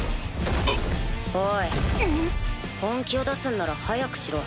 おい本気を出すんなら早くしろ。